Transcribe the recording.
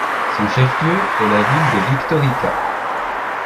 Son chef-lieu est la ville de Victorica.